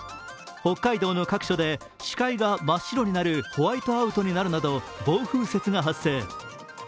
北海道の各所で視界が真っ白になるホワイトアウトになるなど暴風雪が発生。